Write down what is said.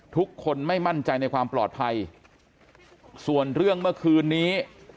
ทุกคนไม่มั่นใจในความปลอดภัยส่วนเรื่องเมื่อคืนนี้